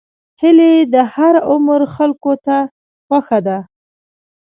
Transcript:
هیلۍ د هر عمر خلکو ته خوښه ده